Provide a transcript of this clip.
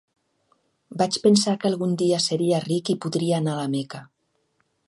Vaig pensar que algun dia seria ric i podria anar a la Meca.